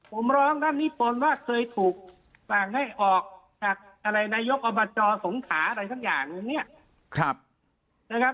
ผมร้องท่านนิพนธ์ว่าเคยถูกฝากได้ออกจากอะไรนายกอบัตรจอสงขาอะไรสักอย่างอย่างเนี่ย